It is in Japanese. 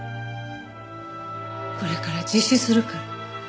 これから自首するから。